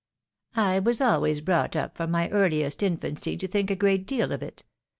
I was always brought up from my earhest infancy to think a great deal of it.